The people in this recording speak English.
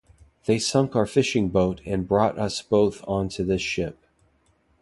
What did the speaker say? They sunk our fishing-boat and brought us both on to this ship.